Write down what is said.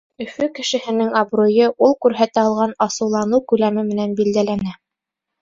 Өфө кешеһенең абруйы ул күрһәтә алған асыуланыу күләме менән билдәләнә.